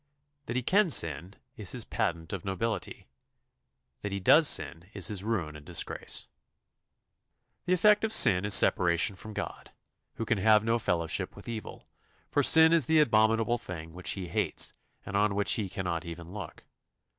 That he can sin is his patent of nobility, that he does sin is his ruin and disgrace. The effect of sin is separation from God, who can have no fellowship with evil, for sin is the abominable thing which He hates, and on which He cannot even look.